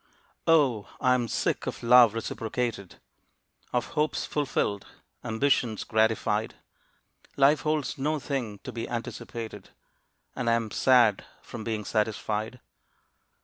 Oh, I am sick of love reciprocated, Of hopes fulfilled, ambitions gratified. Life holds no thing to be anticipated, And I am sad from being satisfied.